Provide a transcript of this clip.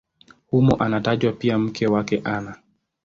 Humo anatajwa pia mke wake Ana.